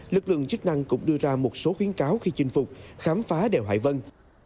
lực lượng chức năng cũng đưa ra một số khuyến cáo khi chinh phục khám phá đèo hải vân